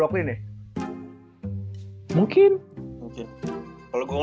tutup banget ini sama brooklyn ya